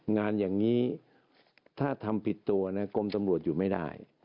งานอย่างนี้ถ้าทำผิดตัวนะกรมตำรวจอยู่ไม่ได้